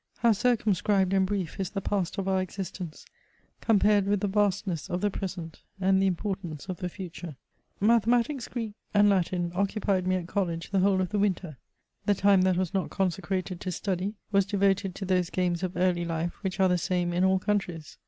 How circumscribed and brief is the past of our existence, compared with the vastness of the present, and the importance of the ^ture ! Mathematics, Greek, and liatin occupied .me at college the whole of the winter. The time that was not consecrated to study, was devoted to those games of early life, which are the same in all countries.